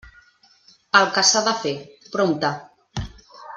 El que s'ha de fer, prompte.